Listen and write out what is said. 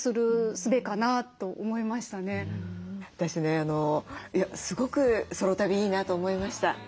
私ねすごくソロ旅いいなと思いました。